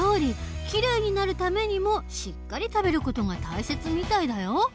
きれいになるためにもしっかり食べる事が大切みたいだよ。